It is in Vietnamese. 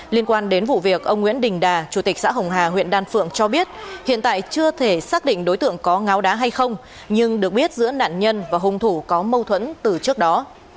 liên quan đến vụ việc ông nguyễn đình đà chủ tịch xã hồng hà huyện đan phượng cho biết hiện tại chưa thể xác định đối tượng có ngáo đá hay không nhưng được biết giữa nạn nhân và hung thủ có mâu thuẫn từ trước đó